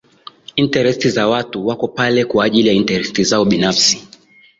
interest za watu wako pale kwajili ya interest zao binafsi